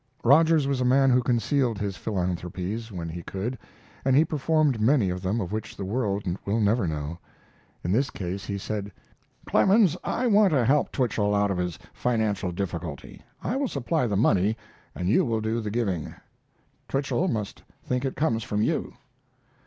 Rogers was a man who concealed his philanthropies when he could, and he performed many of them of which the world will never know: In this case he said: "Clemens, I want to help Twichell out of his financial difficulty. I will supply the money and you will do the giving. Twichell must think it comes from you."